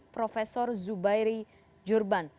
profesor zubairi jurban